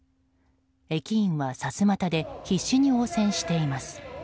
駅員はさすまたで必死に応戦しています。